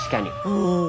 うん。